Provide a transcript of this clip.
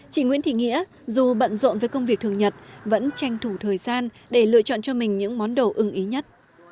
chị nguyễn thị nghĩa dù bận rộn với công việc thường nhật vẫn tranh thủ thời gian để lựa chọn cho mình những món đồ ưng ý nhất